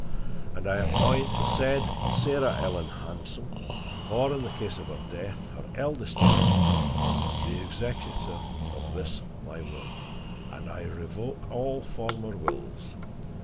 And I appoint the said Sarah Ellen Hanson, or in the case of her death, her eldest child, the executor of this my will; and I revoke all former wills.